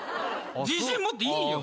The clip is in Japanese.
自信持っていいよ。